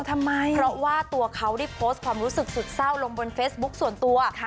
ทำไมเพราะว่าตัวเขาได้โพสต์ความรู้สึกสุดเศร้าลงบนเฟซบุ๊คส่วนตัว